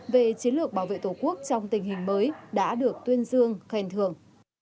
về chiến lược bảo vệ tổ quốc trong tình hình mới đã được tuyên dương khen thường